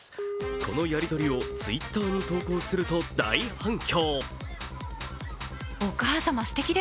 このやり取りをＴｗｉｔｔｅｒに投稿すると、大反響。